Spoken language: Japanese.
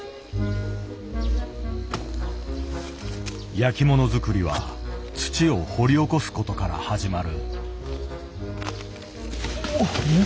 焼きもの作りは土を掘り起こすことから始まる。